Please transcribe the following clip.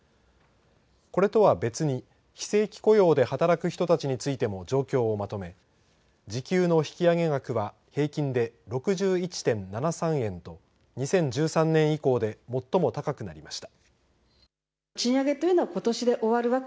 これとは別に、非正規雇用で働く人たちについても状況をまとめ時給の引き上げ額は平均で６１．７３円と２０１３年以降で最も高くなりました。